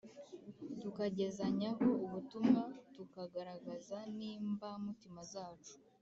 tukagezanyaho ubutumwa, tukagaragaza n’imbamutima zacu.